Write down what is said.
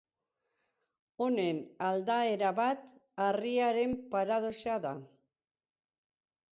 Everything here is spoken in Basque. Honen aldaera bat harriaren paradoxa da.